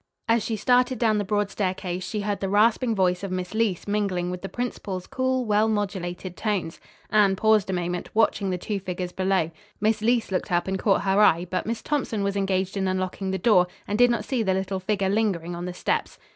As she started down the broad staircase she heard the rasping voice of Miss Leece mingling with the principal's cool, well modulated tones. Anne paused a moment, watching the two figures below. Miss Leece looked up and caught her eye, but Miss Thompson was engaged in unlocking the door, and did not see the little figure lingering on the steps.